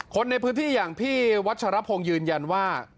คนในพื้นที่อย่างพี่วัชรพงศ์ยืนยันว่า